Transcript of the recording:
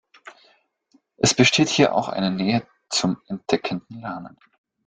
Es besteht hier auch eine Nähe zum Entdeckenden Lernen.